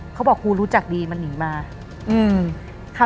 เขาบอกครูรู้จักดีมันหนีมา